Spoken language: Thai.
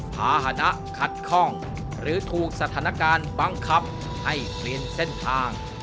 ภาษณะขัดข้องหรือถูกสถานการณ์บังคับให้เปลี่ยนเส้นทาง